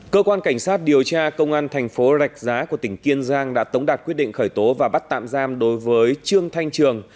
cơ quan cảnh sát điều tra công an thành phố rạch giá của tỉnh kiên giang đã tống đạt quyết định khởi tố và bắt tạm giam đối với trương thanh trường